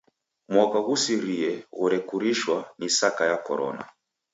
Mwaka ghusirie ghorekurishwa ni saka ya Korona.